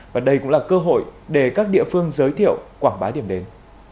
và đây cũng là cơ hội để các địa phương giới thiệu quảng bá điểm đến